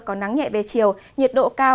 có nắng nhẹ về chiều nhiệt độ cao